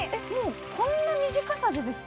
こんな短かさでですか？